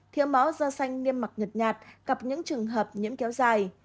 thiếu máu da xanh niêm mặc nhật nhạt gặp những trường hợp nhiễm kéo dài